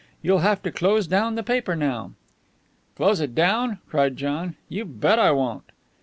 You'll have to close down the paper now." "Close it down!" cried John. "You bet I won't."